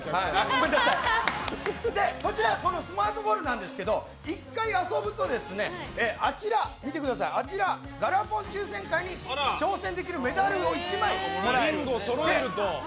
こちらのスマートボールですが１回遊ぶと、あちらのガラポン抽選会に挑戦できるメダルを１枚もらえます。